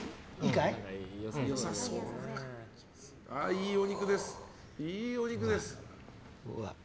いいお肉です。